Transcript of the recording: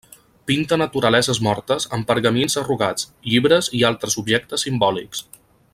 Pinta naturaleses mortes amb pergamins arrugats, llibres i altres objectes simbòlics.